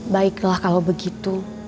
baiklah kalau begitu